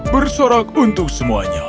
bersorak untuk semuanya